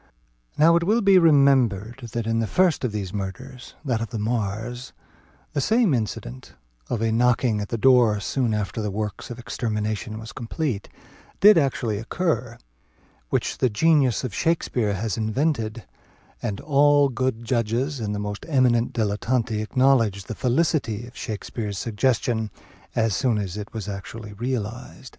Now it will be remembered that in the first of these murders, (that of the Marrs,) the same incident (of a knocking at the door soon after the work of extermination was complete) did actually occur, which the genius of Shakspeare has invented; and all good judges, and the most eminent dilettanti, acknowledged the felicity of Shakspeare's suggestion as soon as it was actually realized.